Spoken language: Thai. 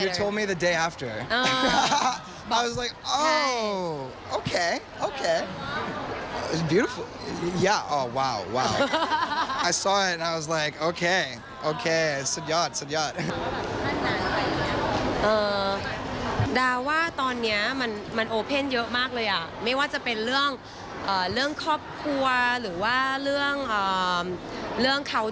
ก็จะเป็นเรื่องครอบครัวหรือว่าเรื่องคาวเจอร์เรื่องแต่งงาน